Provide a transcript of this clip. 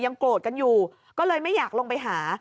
โกรธกันอยู่ก็เลยไม่อยากลงไปหา